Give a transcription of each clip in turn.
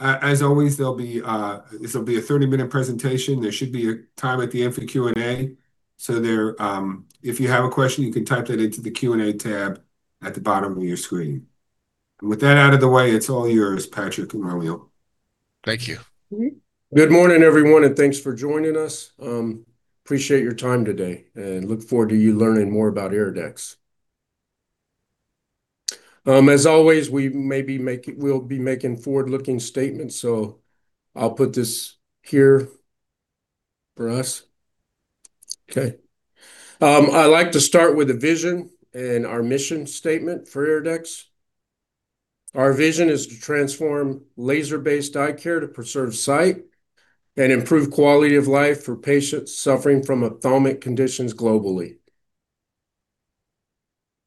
As always, there'll be a 30-minute presentation. There should be a time at the end for Q&A. So if you have a question, you can type that into the Q&A tab at the bottom of your screen. And with that out of the way, it's all yours, Patrick and Romeo. Thank you. Good morning, everyone, and thanks for joining us. Appreciate your time today and look forward to you learning more about IRIDEX. As always, we may be making—we'll be making forward-looking statements, so I'll put this here for us. Okay. I'd like to start with a vision and our mission statement for IRIDEX. Our vision is to transform laser-based eye care to preserve sight and improve quality of life for patients suffering from ophthalmic conditions globally.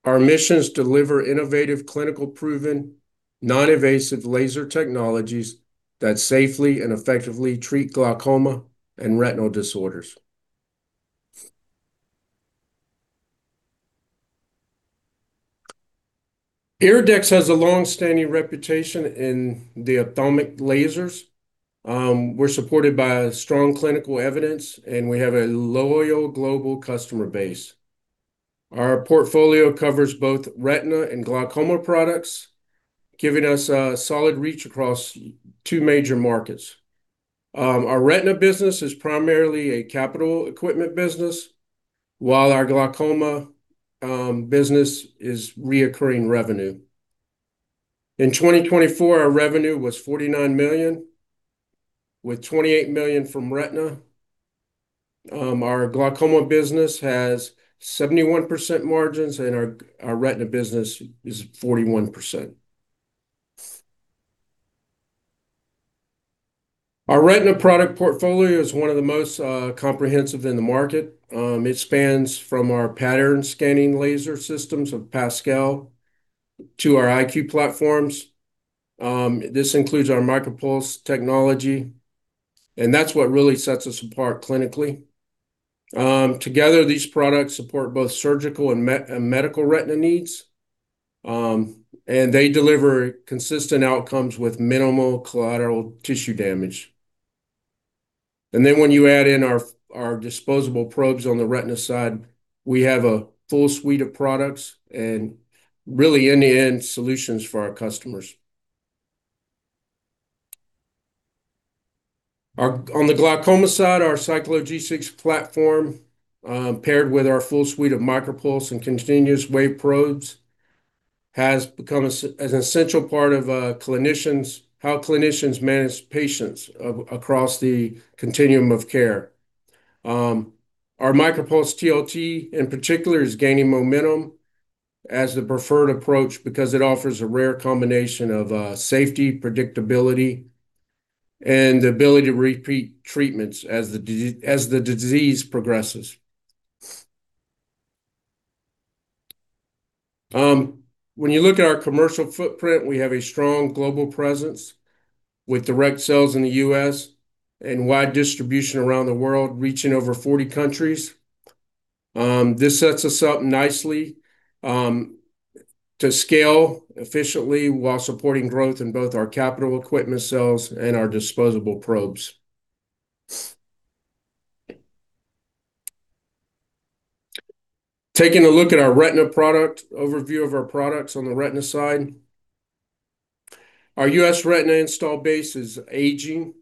Our mission is to deliver innovative, clinically proven, non-invasive laser technologies that safely and effectively treat glaucoma and retinal disorders. IRIDEX has a long-standing reputation in the ophthalmic lasers. We're supported by strong clinical evidence, and we have a loyal global customer base. Our portfolio covers both retina and glaucoma products, giving us a solid reach across two major markets. Our retina business is primarily a capital equipment business, while our glaucoma business is reoccurring revenue. In 2024, our revenue was $49 million, with $28 million from retina. Our glaucoma business has 71% margins, and our retina business is 41%. Our retina product portfolio is one of the most comprehensive in the market. It spans from our pattern scanning laser systems of Pascal to our IQ platforms. This includes our MicroPulse technology, and that's what really sets us apart clinically. Together, these products support both surgical and medical retina needs, and they deliver consistent outcomes with minimal collateral tissue damage, and then when you add in our disposable probes on the retina side, we have a full suite of products and really, in the end, solutions for our customers. On the glaucoma side, our CycloG6 platform, paired with our full suite of MicroPulse and continuous wave probes, has become an essential part of how clinicians manage patients across the continuum of care. Our MicroPulse TLT, in particular, is gaining momentum as the preferred approach because it offers a rare combination of safety, predictability, and the ability to repeat treatments as the disease progresses. When you look at our commercial footprint, we have a strong global presence with direct sales in the U.S. and wide distribution around the world, reaching over 40 countries. This sets us up nicely to scale efficiently while supporting growth in both our capital equipment sales and our disposable probes. Taking a look at our retina product overview of our products on the retina side, our U.S. retina install base is aging,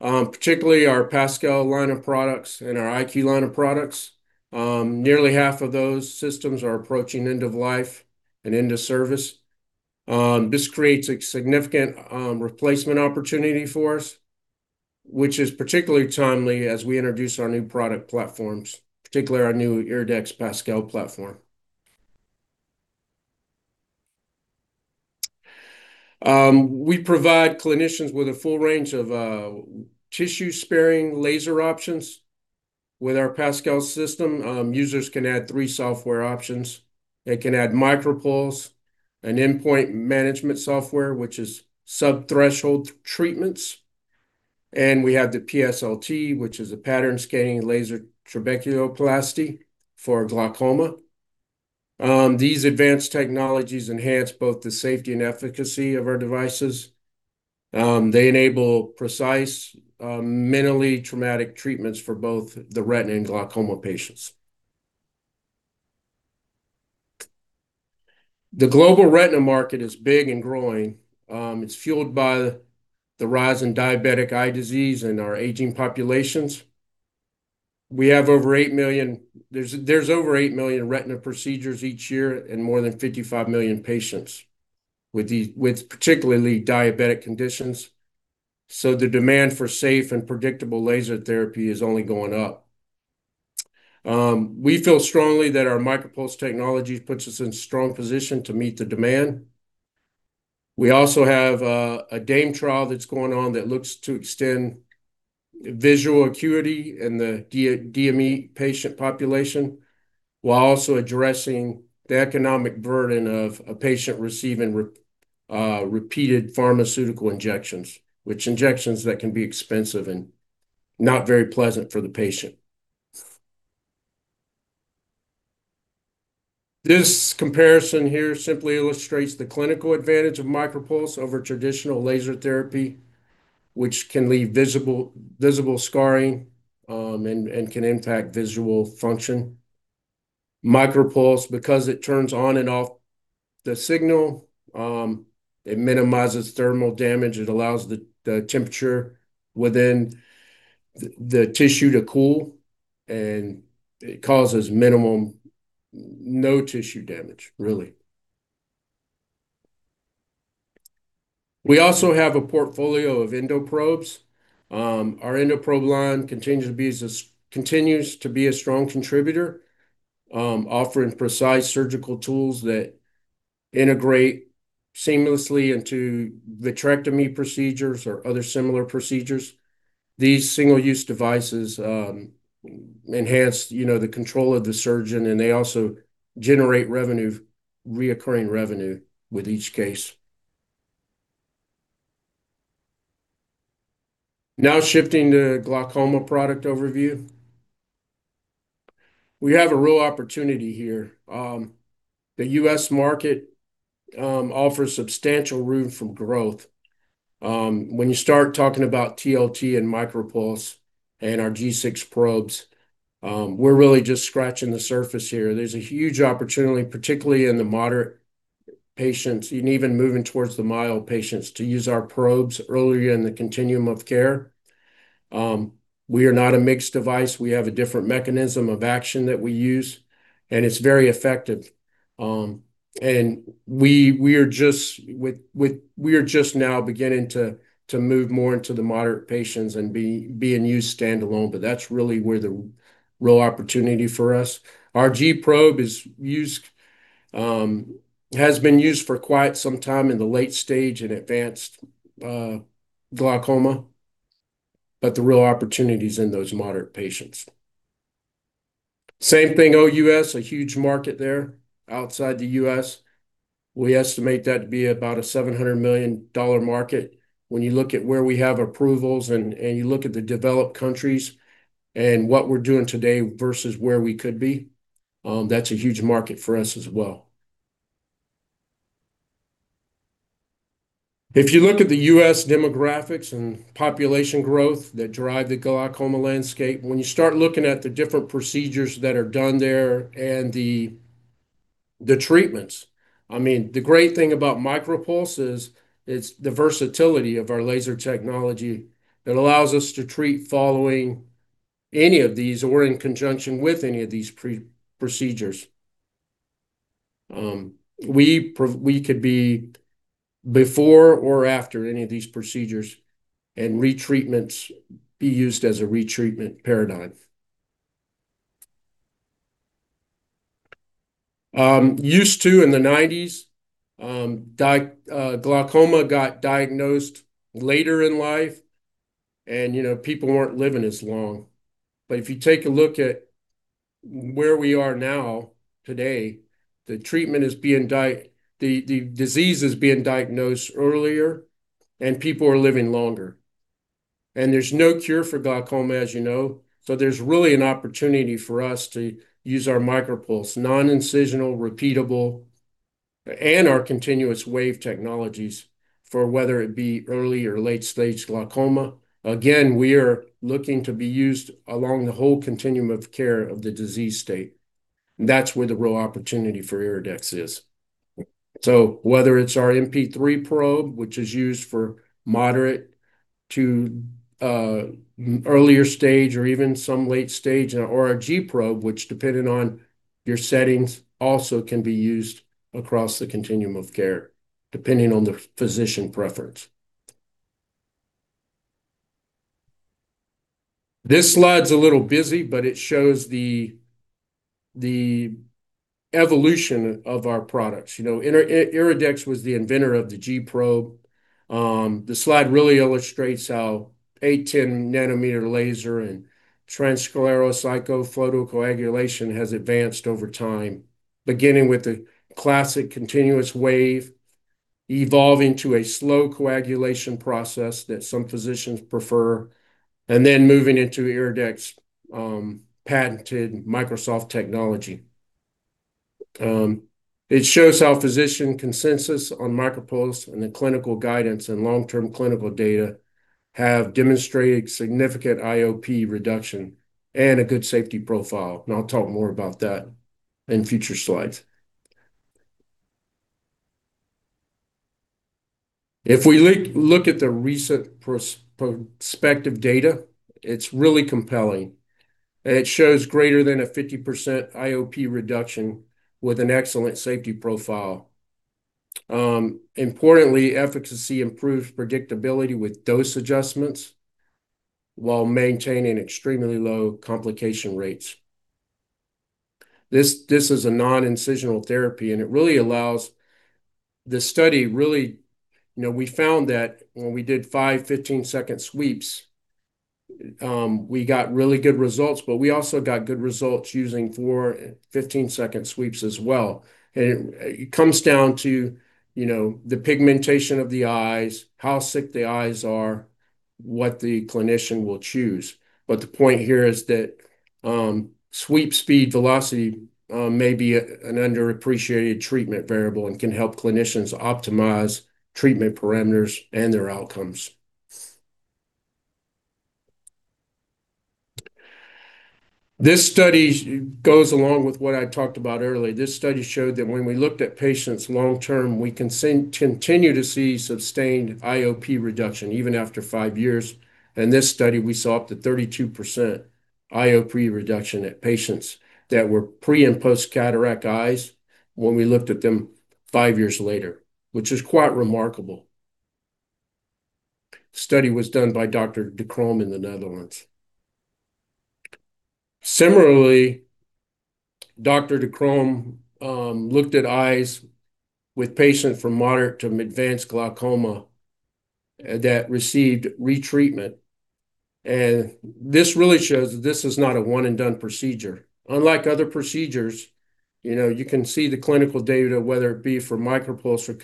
particularly our Pascal line of products and our IQ line of products. Nearly half of those systems are approaching end of life and end of service. This creates a significant replacement opportunity for us, which is particularly timely as we introduce our new product platforms, particularly our new IRIDEX Pascal platform. We provide clinicians with a full range of tissue-sparing laser options with our Pascal system. Users can add three software options. They can add MicroPulse, an endpoint management software, which is sub-threshold treatments, and we have the PSLT, which is a pattern scanning laser trabeculoplasty for glaucoma. These advanced technologies enhance both the safety and efficacy of our devices. They enable precise minimally traumatic treatments for both the retina and glaucoma patients. The global retina market is big and growing. It's fueled by the rise in diabetic eye disease and our aging populations. We have 8 million. There's an 8 million retina procedures each year and more than 55 million patients with particularly diabetic conditions. The demand for safe and predictable laser therapy is only going up. We feel strongly that our MicroPulse technology puts us in a strong position to meet the demand. We also have a DAME trial that's going on that looks to extend visual acuity in the DME patient population while also addressing the economic burden of a patient receiving repeated pharmaceutical injections, which can be expensive and not very pleasant for the patient. This comparison here simply illustrates the clinical advantage of MicroPulse over traditional laser therapy, which can leave visible scarring and can impact visual function. MicroPulse, because it turns on and off the signal, it minimizes thermal damage. It allows the temperature within the tissue to cool, and it causes minimum, no tissue damage, really. We also have a portfolio of EndoProbes. Our EndoProbe line continues to be a strong contributor, offering precise surgical tools that integrate seamlessly into vitrectomy procedures or other similar procedures. These single-use devices enhance the control of the surgeon, and they also generate revenue, recurring revenue with each case. Now, shifting to glaucoma product overview, we have a real opportunity here. The U.S. market offers substantial room for growth. When you start talking about TLT and MicroPulse and our G6 probes, we're really just scratching the surface here. There's a huge opportunity, particularly in the moderate patients and even moving towards the mild patients, to use our probes earlier in the continuum of care. We are not a mixed device. We have a different mechanism of action that we use, and it's very effective. We are just now beginning to move more into the moderate patients and being used standalone, but that's really where the real opportunity for us. Our G-Probe has been used for quite some time in the late stage in advanced glaucoma, but the real opportunity is in those moderate patients. Same thing, OUS, a huge market there outside the U.S. We estimate that to be about a $700 million market. When you look at where we have approvals and you look at the developed countries and what we're doing today versus where we could be, that's a huge market for us as well. If you look at the U.S. demographics and population growth that drive the glaucoma landscape, when you start looking at the different procedures that are done there and the treatments, I mean, the great thing about MicroPulse is it's the versatility of our laser technology that allows us to treat following any of these or in conjunction with any of these procedures. We could be before or after any of these procedures, and retreatments be used as a retreatment paradigm. Used to in the 1990s, glaucoma got diagnosed later in life, and people weren't living as long. But if you take a look at where we are now today, the treatment is being. The disease is being diagnosed earlier, and people are living longer. And there's no cure for glaucoma, as you know. So there's really an opportunity for us to use our MicroPulse, non-incisional, repeatable, and our continuous wave technologies for whether it be early or late-stage glaucoma. Again, we are looking to be used along the whole continuum of care of the disease state. And that's where the real opportunity for IRIDEX is. So whether it's our MP3 probe, which is used for moderate to earlier stage or even some late stage, or our G probe, which, depending on your settings, also can be used across the continuum of care, depending on the physician preference. This slide's a little busy, but it shows the evolution of our products. IRIDEX was the inventor of the G probe. The slide really illustrates how 810 nm laser and transscleral cyclophotocoagulation has advanced over time, beginning with the classic continuous wave, evolving to a slow coagulation process that some physicians prefer, and then moving into IRIDEX patented MicroPulse technology. It shows how physician consensus on MicroPulse and the clinical guidance and long-term clinical data have demonstrated significant IOP reduction and a good safety profile. And I'll talk more about that in future slides. If we look at the recent prospective data, it's really compelling. It shows greater than a 50% IOP reduction with an excellent safety profile. Importantly, efficacy improves predictability with dose adjustments while maintaining extremely low complication rates. This is a non-incisional therapy, and it really allows the study, really, we found that when we did five 15-second sweeps, we got really good results, but we also got good results using four 15-second sweeps as well. And it comes down to the pigmentation of the eyes, how sick the eyes are, what the clinician will choose. But the point here is that sweep speed velocity may be an underappreciated treatment variable and can help clinicians optimize treatment parameters and their outcomes. This study goes along with what I talked about earlier. This study showed that when we looked at patients long-term, we continue to see sustained IOP reduction even after five years. In this study, we saw up to 32% IOP reduction at patients that were pre and post-cataract eyes when we looked at them five years later, which is quite remarkable. The study was done by Dr. De Crom in the Netherlands. Similarly, Dr. De Crom looked at eyes with patients from moderate to advanced glaucoma that received retreatment. And this really shows that this is not a one-and-done procedure. Unlike other procedures, you can see the clinical data, whether it be for MicroPulse or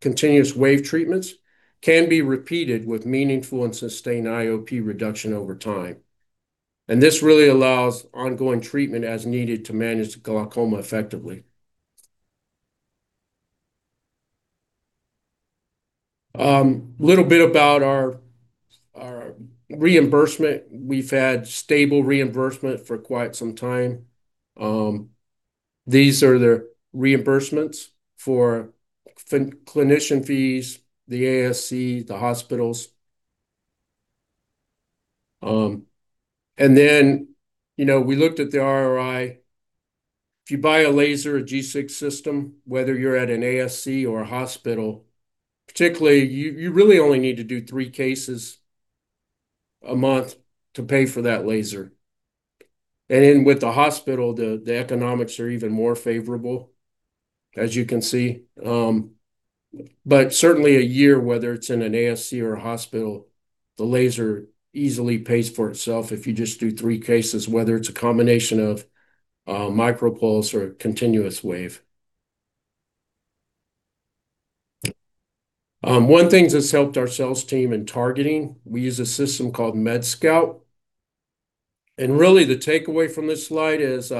continuous wave treatments, can be repeated with meaningful and sustained IOP reduction over time. And this really allows ongoing treatment as needed to manage the glaucoma effectively. A little bit about our reimbursement. We've had stable reimbursement for quite some time. These are the reimbursements for clinician fees, the ASC, the hospitals. And then we looked at the ROI. If you buy a laser, a G6 system, whether you're at an ASC or a hospital, particularly, you really only need to do three cases a month to pay for that laser. And then with the hospital, the economics are even more favorable, as you can see. But certainly in a year, whether it's in an ASC or a hospital, the laser easily pays for itself if you just do three cases, whether it's a combination of MicroPulse or continuous wave. One thing that's helped our sales team in targeting, we use a system called MedScout. And really, the takeaway from this slide is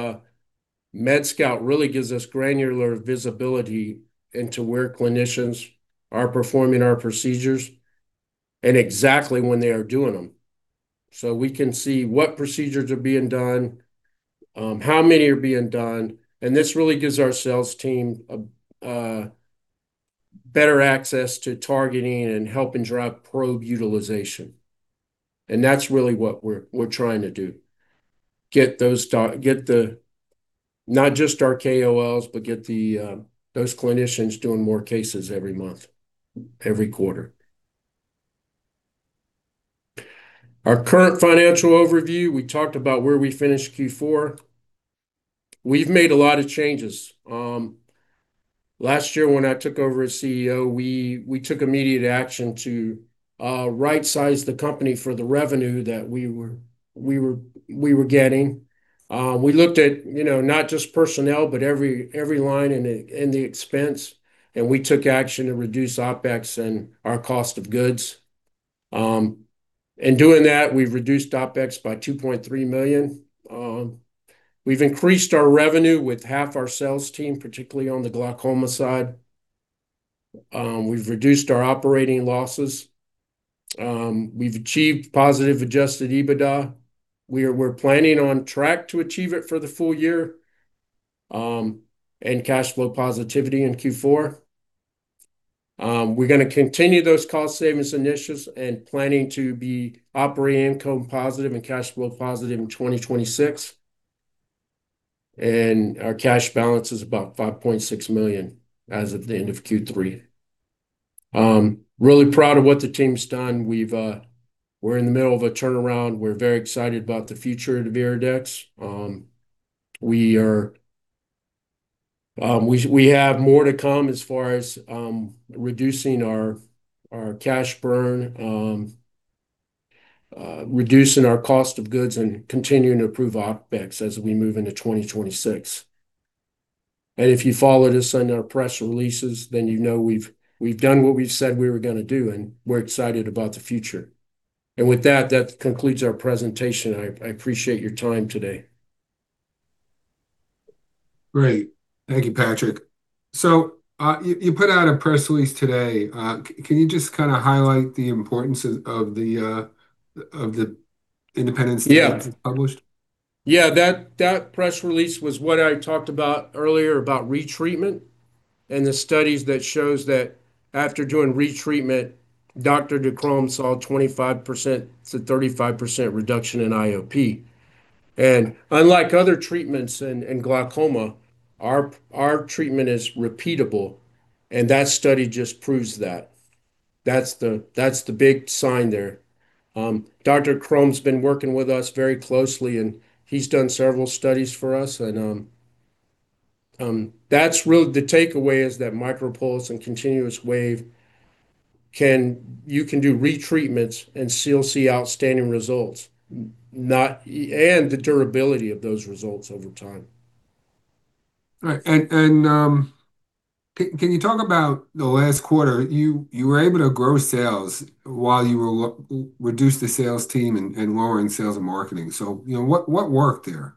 MedScout really gives us granular visibility into where clinicians are performing our procedures and exactly when they are doing them. So we can see what procedures are being done, how many are being done. And this really gives our sales team better access to targeting and helping drive probe utilization. And that's really what we're trying to do: get not just our KOLs, but get those clinicians doing more cases every month, every quarter. Our current financial overview, we talked about where we finished Q4. We've made a lot of changes. Last year, when I took over as CEO, we took immediate action to right-size the company for the revenue that we were getting. We looked at not just personnel, but every line in the expense, and we took action to reduce OpEx and our cost of goods. In doing that, we've reduced OpEx by $2.3 million. We've increased our revenue with half our sales team, particularly on the glaucoma side. We've reduced our operating losses. We've achieved positive adjusted EBITDA. We're planning on track to achieve it for the full year and cash flow positivity in Q4. We're going to continue those cost savings initiatives and planning to be operating income positive and cash flow positive in 2026. Our cash balance is about $5.6 million as of the end of Q3. Really proud of what the team's done. We're in the middle of a turnaround. We're very excited about the future of IRIDEX. We have more to come as far as reducing our cash burn, reducing our cost of goods, and continuing to improve OpEx as we move into 2026. And if you followed us on our press releases, then you know we've done what we've said we were going to do, and we're excited about the future. And with that, that concludes our presentation. I appreciate your time today. Great. Thank you, Patrick. So you put out a press release today. Can you just kind of highlight the importance of the independent study that was published? Yeah. Yeah. That press release was what I talked about earlier about retreatment and the studies that show that after doing retreatment, Dr. De Crom saw a 25%-35% reduction in IOP. And unlike other treatments in glaucoma, our treatment is repeatable, and that study just proves that. That's the big sign there. Dr. De Crom's been working with us very closely, and he's done several studies for us. And that's really the takeaway is that MicroPulse and Continuous Wave, you can do retreatments and still see outstanding results and the durability of those results over time. All right. And can you talk about the last quarter? You were able to grow sales while you reduced the sales team and lowered in sales and marketing. So what worked there?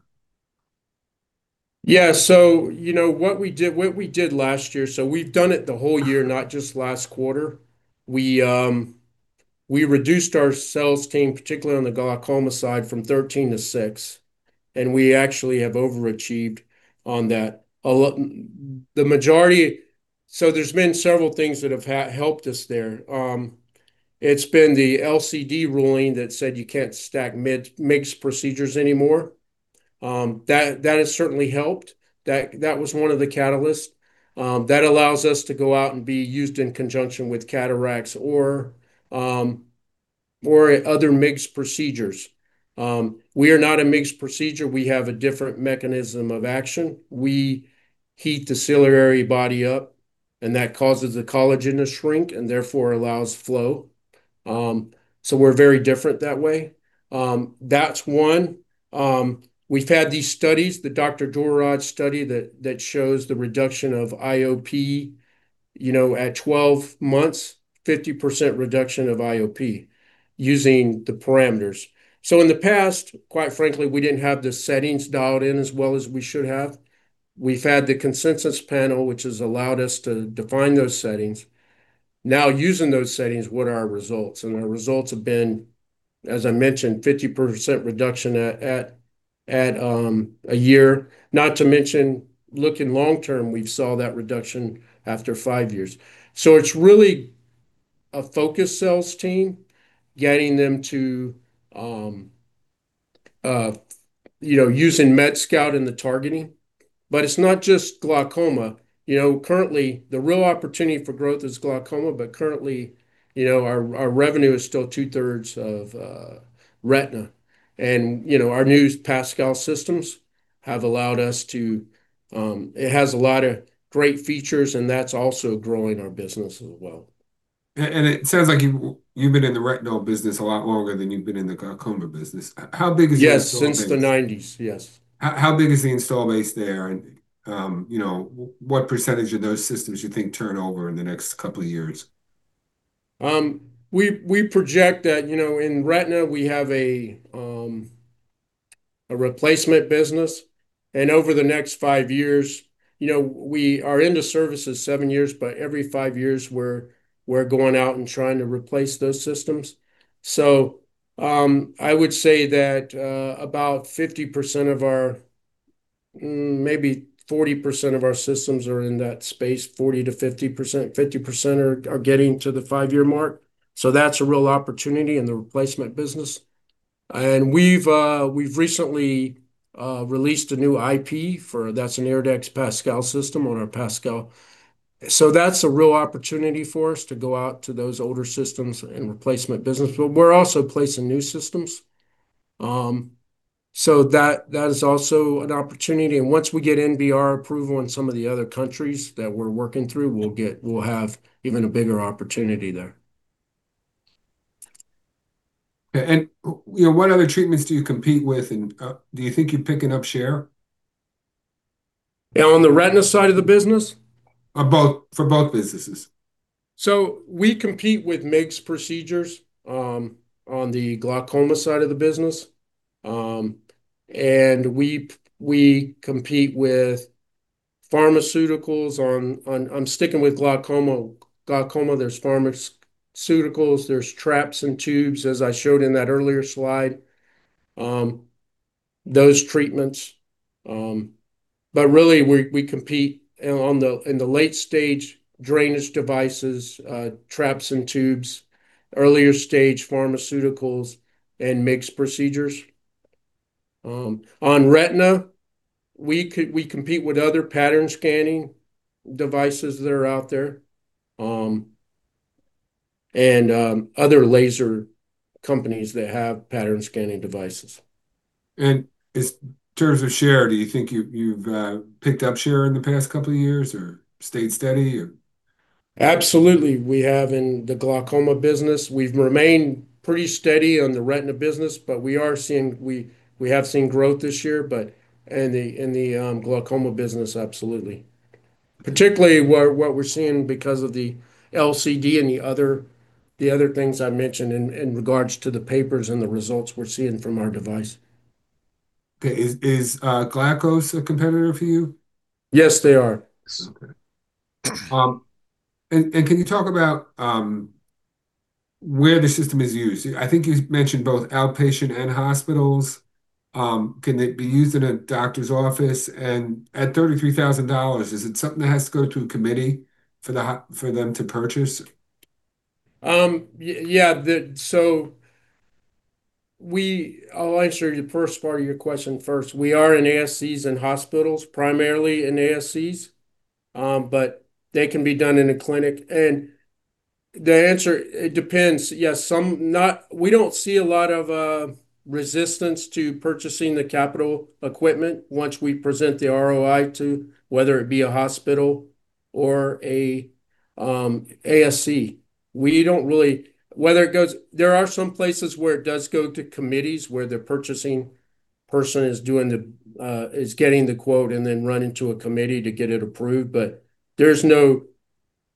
Yeah. So what we did last year, so we've done it the whole year, not just last quarter, we reduced our sales team, particularly on the glaucoma side, from 13 to 6. And we actually have overachieved on that. So there's been several things that have helped us there. It's been the LCD ruling that said you can't stack mixed procedures anymore. That has certainly helped. That was one of the catalysts. That allows us to go out and be used in conjunction with cataracts or other mixed procedures. We are not a mixed procedure. We have a different mechanism of action. We heat the ciliary body up, and that causes the collagen to shrink and therefore allows flow. So we're very different that way. That's one. We've had these studies, the Dr. De Crom study that shows the reduction of IOP at 12 months, 50% reduction of IOP using the parameters. So in the past, quite frankly, we didn't have the settings dialed in as well as we should have. We've had the consensus panel, which has allowed us to define those settings. Now, using those settings, what are our results? And our results have been, as I mentioned, 50% reduction at a year. Not to mention, looking long-term, we've saw that reduction after five years. So it's really a focused sales team, getting them to using MedScout in the targeting. But it's not just glaucoma. Currently, the real opportunity for growth is glaucoma, but currently, our revenue is still two-thirds of retina. And our new Pascal systems have allowed us to. It has a lot of great features, and that's also growing our business as well. It sounds like you've been in the retinal business a lot longer than you've been in the glaucoma business. How big is the installed base? Yes, since the 1990s. Yes. How big is the installed base there? And what percentage of those systems do you think turn over in the next couple of years? We project that in retina, we have a replacement business, and over the next five years, we are into services seven years, but every five years, we're going out and trying to replace those systems, so I would say that about 50% of our, maybe 40% of our systems are in that space, 40%-50%. 50% are getting to the five-year mark, so that's a real opportunity in the replacement business, and we've recently released a new IQ. That's an IRIDEX Pascal system on our Pascal, so that's a real opportunity for us to go out to those older systems and replacement business, but we're also placing new systems, so that is also an opportunity, and once we get NBR approval in some of the other countries that we're working through, we'll have even a bigger opportunity there. And what other treatments do you compete with? And do you think you're picking up share? On the retina side of the business? For both. For both businesses. So we compete with incisional procedures on the glaucoma side of the business. And we compete with pharmaceuticals on. I'm sticking with glaucoma. There's pharmaceuticals. There's traps and tubes, as I showed in that earlier slide, those treatments. But really, we compete in the late-stage drainage devices, traps and tubes, earlier-stage pharmaceuticals, and incisional procedures. On retina, we compete with other pattern scanning devices that are out there and other laser companies that have pattern scanning devices. In terms of share, do you think you've picked up share in the past couple of years or stayed steady? Absolutely. We have in the glaucoma business. We've remained pretty steady on the retina business, but we have seen growth this year. And the glaucoma business, absolutely. Particularly what we're seeing because of the LCD and the other things I mentioned in regards to the papers and the results we're seeing from our device. Okay. Is Glaukos a competitor for you? Yes, they are. Okay. And can you talk about where the system is used? I think you mentioned both outpatient and hospitals. Can it be used in a doctor's office? And at $33,000, is it something that has to go through a committee for them to purchase? Yeah. So, we, I'll answer the first part of your question first. We are in ASCs and hospitals, primarily in ASCs, but they can be done in a clinic. And the answer, it depends. Yes. We don't see a lot of resistance to purchasing the capital equipment once we present the ROI to whether it be a hospital or an ASC. We don't really, whether it goes, there are some places where it does go to committees where the purchasing person is getting the quote and then running to a committee to get it approved. But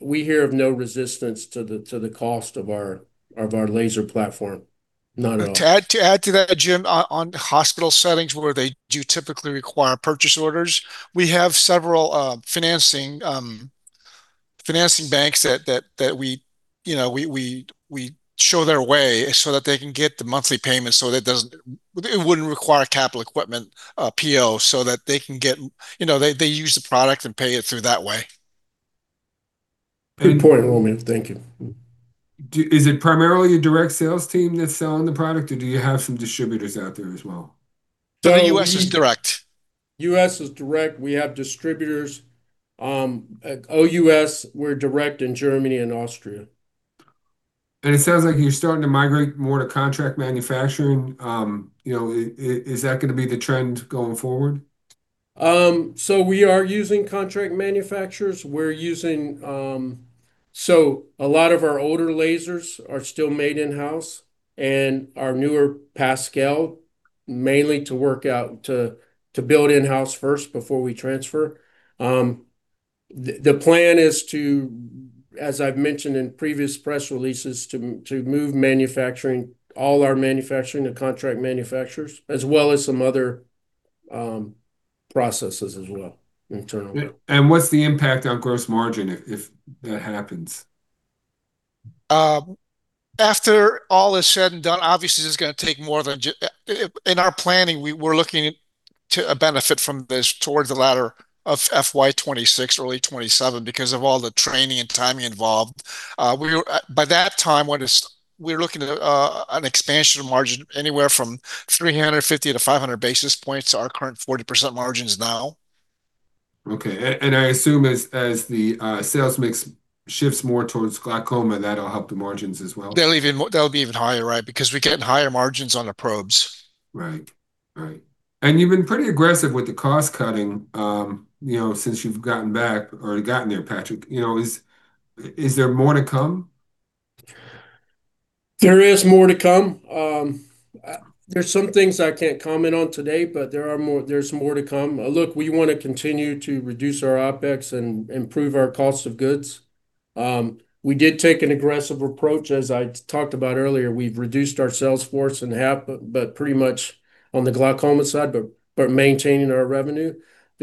we hear of no resistance to the cost of our laser platform. Not at all. To add to that, Jim, on hospital settings where they do typically require purchase orders, we have several financing banks that we show their way so that they can get the monthly payment so that it wouldn't require capital equipment PO so that they can get, they use the product and pay it through that way. Good point, Romeo. Thank you. Is it primarily a direct sales team that's selling the product, or do you have some distributors out there as well? So U.S. is direct. U.S. is direct. We have distributors. OUS, we're direct in Germany and Austria. It sounds like you're starting to migrate more to contract manufacturing. Is that going to be the trend going forward? We are using contract manufacturers. A lot of our older lasers are still made in-house, and our newer Pascal, mainly to work out to build in-house first before we transfer. The plan is to, as I've mentioned in previous press releases, to move manufacturing, all our manufacturing, the contract manufacturers, as well as some other processes as well in turnover. What's the impact on gross margin if that happens? After all is said and done, obviously, this is going to take more than, in our planning, we're looking to benefit from this towards the latter of FY2026, early 2027, because of all the training and timing involved. By that time, we're looking at an expansion of margin anywhere from 350-500 basis points to our current 40% margins now. Okay. And I assume as the sales mix shifts more towards glaucoma, that'll help the margins as well? That'll be even higher, right? Because we're getting higher margins on the probes. Right. Right. And you've been pretty aggressive with the cost cutting since you've gotten back or gotten there, Patrick. Is there more to come? There is more to come. There's some things I can't comment on today, but there's more to come. Look, we want to continue to reduce our OpEx and improve our cost of goods. We did take an aggressive approach. As I talked about earlier, we've reduced our sales force in half, but pretty much on the glaucoma side, but maintaining our revenue.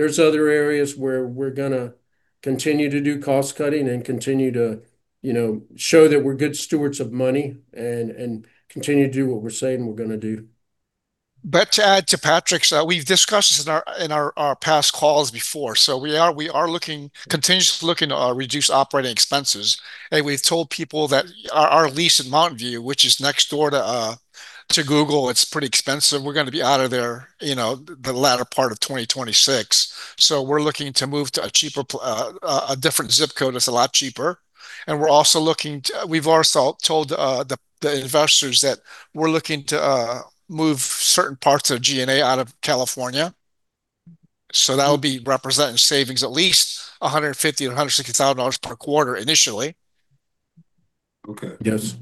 There's other areas where we're going to continue to do cost cutting and continue to show that we're good stewards of money and continue to do what we're saying we're going to do. But to add to Patrick's, we've discussed this in our past calls before. So we are continuously looking to reduce operating expenses. And we've told people that our lease at Mountain View, which is next door to Google, it's pretty expensive. We're going to be out of there the latter part of 2026. So we're looking to move to a different zip code that's a lot cheaper. And we've also told the investors that we're looking to move certain parts of G&A out of California. So that will be representing savings at least $150,000-$160,000 per quarter initially. Okay. Yes.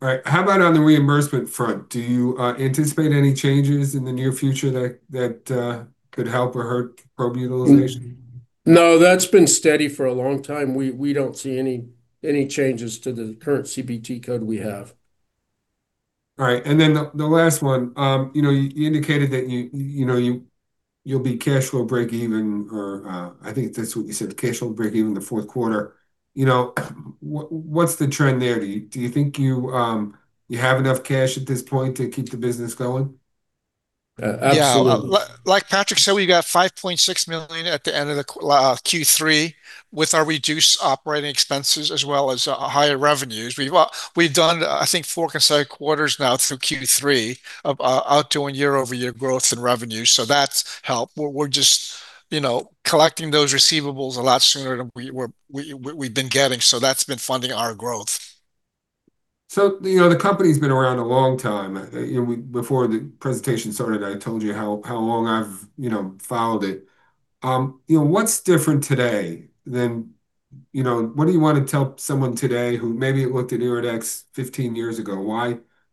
All right. How about on the reimbursement front? Do you anticipate any changes in the near future that could help or hurt probe utilization? No. That's been steady for a long time. We don't see any changes to the current CPT code we have. All right. And then the last one, you indicated that you'll be cash flow break-even, or I think that's what you said, cash flow break-even the fourth quarter. What's the trend there? Do you think you have enough cash at this point to keep the business going? Absolutely. Yeah. Like Patrick said, we got $5.6 million at the end of Q3 with our reduced operating expenses as well as higher revenues. We've done, I think, four consecutive quarters now through Q3 of outdoing year-over-year growth and revenue. So that's helped. We're just collecting those receivables a lot sooner than we've been getting. So that's been funding our growth. The company's been around a long time. Before the presentation started, I told you how long I've followed it. What's different today than what do you want to tell someone today who maybe looked at IRIDEX 15 years ago?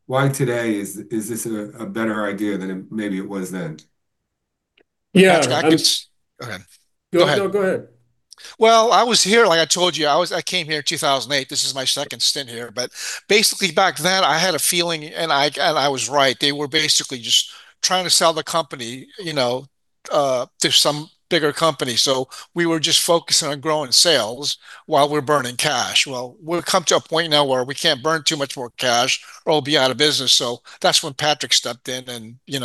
Why today is this a better idea than maybe it was then? Yeah. Go ahead. No, go ahead. Well, I was here, like I told you. I came here in 2008. This is my second stint here. But basically, back then, I had a feeling, and I was right. They were basically just trying to sell the company to some bigger company. So we were just focusing on growing sales while we're burning cash. Well, we'll come to a point now where we can't burn too much more cash or we'll be out of business. So that's when Patrick stepped in. And you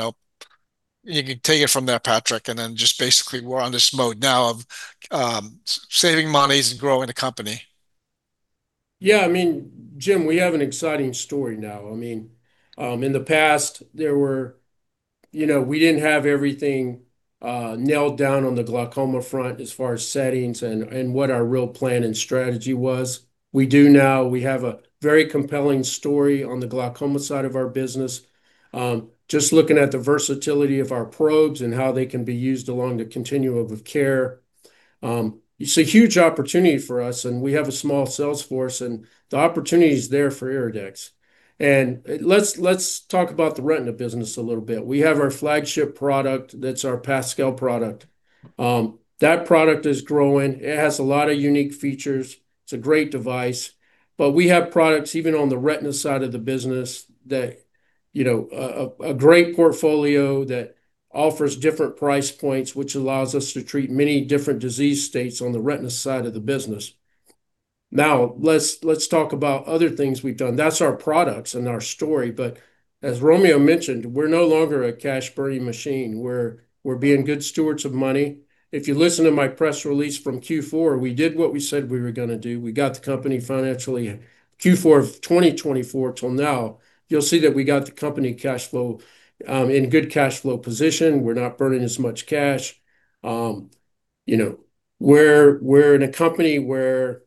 can take it from there, Patrick. And then just basically, we're on this mode now of saving monies and growing the company. Yeah. I mean, Jim, we have an exciting story now. I mean, in the past, we didn't have everything nailed down on the glaucoma front as far as settings and what our real plan and strategy was. We do now. We have a very compelling story on the glaucoma side of our business. Just looking at the versatility of our probes and how they can be used along the continuum of care, it's a huge opportunity for us, and we have a small sales force, and the opportunity is there for IRIDEX, and let's talk about the retina business a little bit. We have our flagship product, that's our Pascal product. That product is growing. It has a lot of unique features. It's a great device. But we have products even on the retina side of the business that's a great portfolio that offers different price points, which allows us to treat many different disease states on the retina side of the business. Now, let's talk about other things we've done. That's our products and our story. But as Romeo mentioned, we're no longer a cash-burning machine. We're being good stewards of money. If you listen to my press release from Q4, we did what we said we were going to do. We got the company financially Q4 of 2024 till now. You'll see that we got the company cash flow in good cash flow position. We're not burning as much cash. We're in a company where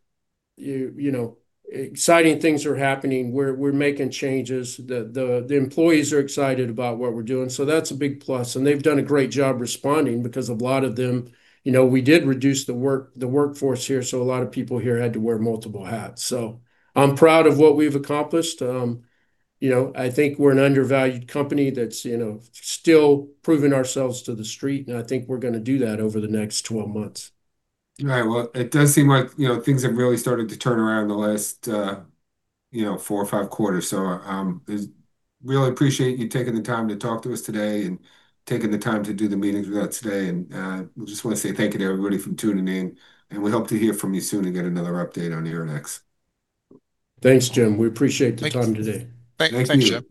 exciting things are happening. We're making changes. The employees are excited about what we're doing. So that's a big plus. They've done a great job responding because a lot of them we did reduce the workforce here, so a lot of people here had to wear multiple hats. I'm proud of what we've accomplished. I think we're an undervalued company that's still proving ourselves to the street. I think we're going to do that over the next 12 months. All right. It does seem like things have really started to turn around in the last four or five quarters. Really appreciate you taking the time to talk to us today and taking the time to do the meetings with us today. We just want to say thank you to everybody for tuning in. We hope to hear from you soon and get another update on IRIDEX. Thanks, Jim. We appreciate the time today. Thank you.